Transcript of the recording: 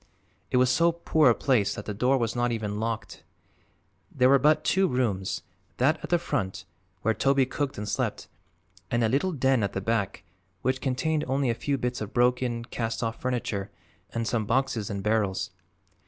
It was so poor a place that the door was not even locked. There were but two rooms; that at the front, where Toby cooked and slept, and a little den at the back, which contained only a few bits of broken, cast off furniture and some boxes and barrels.